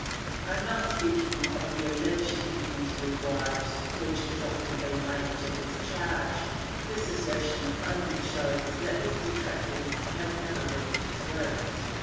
I am not speaking of the alleged community of wives which has often been laid to his charge; this assertion only shows that his detractors have never read his works.